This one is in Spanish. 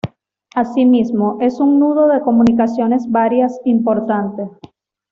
Asimismo, es un nudo de comunicaciones viarias importante.